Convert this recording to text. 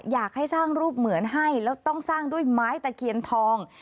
อยากให้สร้างรูปเหมือนให้แล้วต้องสร้างด้วยไม้ตะเคียนทอง